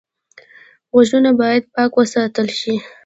غوږونه باید پاک وساتل شي